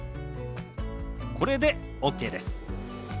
これでＯＫです。